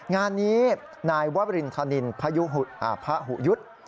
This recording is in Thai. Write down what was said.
งานนี้นายวับรินทนินพระหุยุฑ